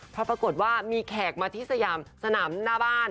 เพราะปรากฏว่ามีแขกมาที่สยามสนามหน้าบ้าน